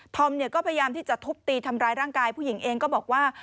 อมก็พยายามที่จะทุบตีทำร้ายร่างกายผู้หญิงเองก็บอกว่า